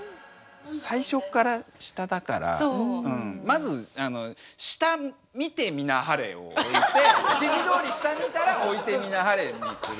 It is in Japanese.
最初っから下だからまずを置いて指示どおり下見たら「置いてみなはれ」にする。